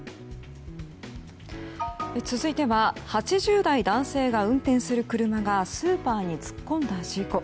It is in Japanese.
続いては８０代男性が運転する車がスーパーに突っ込んだ事故。